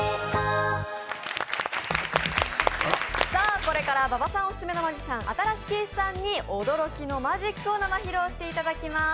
これから馬場さんオススメのマジシャン新子景視さんに驚きのマジックを生披露していただきます。